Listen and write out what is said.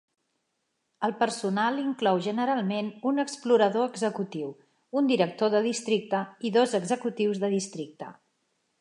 El personal inclou generalment un explorador executiu, un director de districte i dos executius de districte.